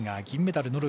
銀メダル